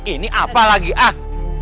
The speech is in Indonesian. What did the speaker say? ini apa lagi ah